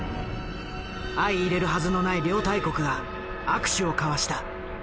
相いれるはずのない両大国が握手を交わした。